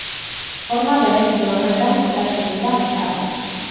Forma berezi horretan kokatzen dira bizarrak.